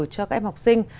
cho các em học sinh